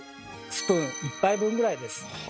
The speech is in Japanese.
スプーン１杯分ぐらいです。